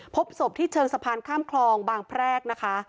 พบศพที่เชิงสะพานข้ามคลองบางแพรกนะคะ